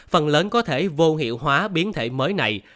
phần lớn có thể vô hiệu hóa biến thể mới này